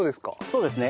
そうですね。